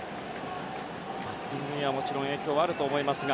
バッティングにはもちろん影響があると思いますが